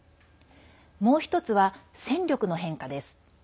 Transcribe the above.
もう１つは、戦力の変化です。